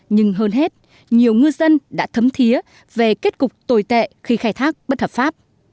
nhưng hơn hết nhiều ngư dân đã thấm thiế về kết cục tồi tệ khi khai thác bất hợp pháp